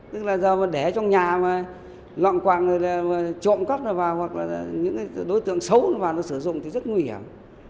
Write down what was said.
tức là giờ mà để trong nhà mà loạn quạng là trộm cắp vào hoặc là những đối tượng xấu vào nó sử dụng thì rất nguy hiểm